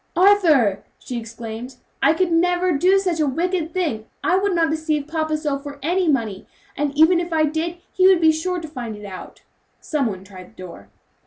"Arthur!" she exclaimed, "I could never do such a wicked thing! I would not deceive papa so for any money; and even if I did he would be sure to find it out." Some one tried the door.